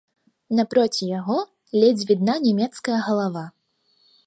Напроці яго ледзь відна нямецкая галава.